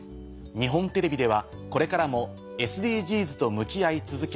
日本テレビではこれからもＳＤＧｓと向き合い続け